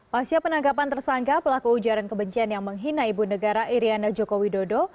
pasca penangkapan tersangka pelaku ujaran kebencian yang menghina ibu negara iryana joko widodo